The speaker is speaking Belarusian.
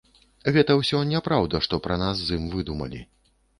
Гэта ўсё няпраўда, што пра нас з ім выдумалі.